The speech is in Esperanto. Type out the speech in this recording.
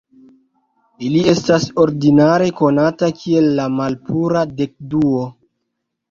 Ili estas ordinare konata kiel la malpura dekduo,